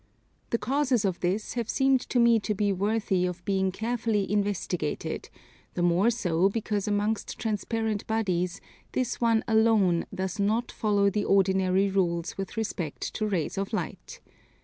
The causes of this have seemed to me to be worthy of being carefully investigated, the more so because amongst transparent bodies this one alone does not follow the ordinary rules with respect to rays of light.